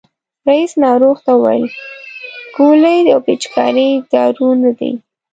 رئیس ناروغ ته وویل ګولۍ او پيچکاري دارو نه دي.